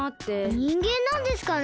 にんげんなんですかね？